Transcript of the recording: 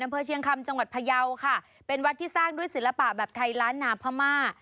อำเภอเชียงคำจังหวัดพยาวค่ะเป็นวัดที่สร้างด้วยศิลปะแบบไทยล้านนาพม่า